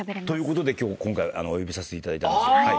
ということで今回お呼びさせていただいたんです。